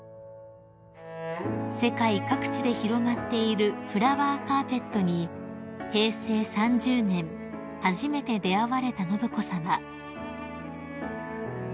［世界各地で広まっているフラワーカーペットに平成３０年初めて出合われた信子さま］